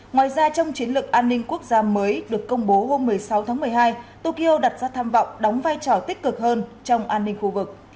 ngoài ra trong chiến lược an ninh quốc gia mới được công bố hôm một mươi sáu tháng một mươi hai tokyo đặt ra tham vọng đóng vai trò tích cực hơn trong an ninh khu vực